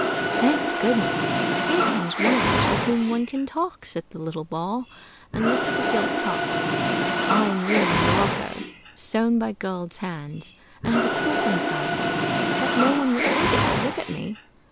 "Thank goodness, here comes one of us, with whom one can talk!" said the little Ball, and looked at the gilt Top. "I am really morocco, sewn by a girl's hands, and have a cork inside me; but no one would think it to look at me.